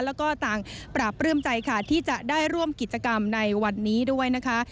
แล้วก็ต่างปราบปลื้มใจค่ะที่จะได้ร่วมกิจกรรมในวันนี้ด้วยนะคะ